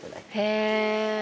へえ。